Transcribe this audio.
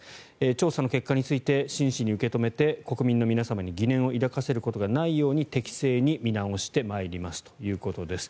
調査の結果について真摯に受け止めて国民の皆様に疑念を抱かせることの内容に適正に見直してまいりますということです。